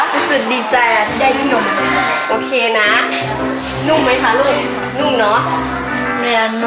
ไม่อาจนอดต่อไม่อาจตื่นเลยค่ะน้องมาเครื่องจัยบาลอาจนอนจังหลับซึ่งอีกแล้วค่ะ